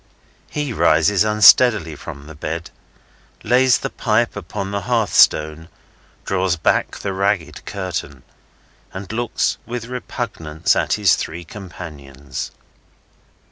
He rises unsteadily from the bed, lays the pipe upon the hearth stone, draws back the ragged curtain, and looks with repugnance at his three companions.